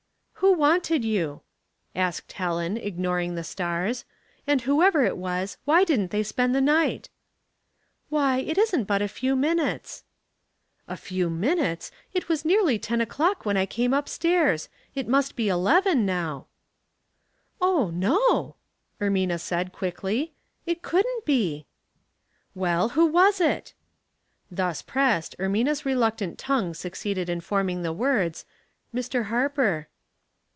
" Who wanted you ?" asked Helen, ignoring the stars. " And whoever it was, why didn't they spend the night? "" Why, it isn't but a few minutes." " A few minutes I It was nearly ten o'clock when I came up stairs. It must be eleven now.'' 856 'Household Puzzles, "Oh, no," Ermina said, quickly; "it couldn't be." *'.Well, who was it?" Thus pressed, Ermina's reluctant tongue suc ceeded in forming the words, " Mr. Harper."